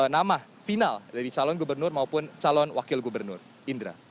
nama final dari calon gubernur maupun calon wakil gubernur indra